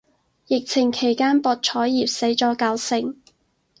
疫情期間博彩業死咗九成